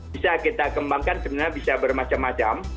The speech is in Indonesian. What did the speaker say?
bisa kita kembangkan sebenarnya bisa bermacam macam